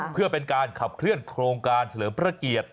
เพื่อเป็นการขับเคลื่อนโครงการเฉลิมพระเกียรติ